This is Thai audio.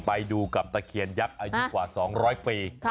ไปดูกับตะเคียนยักษ์อายุกว่า๒๐๐ปี